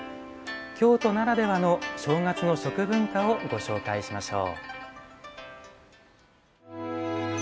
京都ならではの正月の食文化をご紹介しましょう。